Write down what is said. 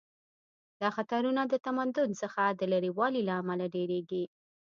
دا خطرونه د تمدن څخه د لرې والي له امله ډیریږي